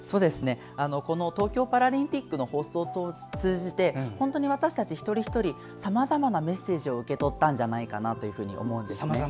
この東京パラリンピックの放送を通じて本当に私たち一人一人がさまざまなメッセージを受け取ったんじゃないかと思うんですね。